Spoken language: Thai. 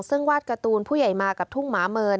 ซึ่งวาดการ์ตูนผู้ใหญ่มากับทุ่งหมาเมิน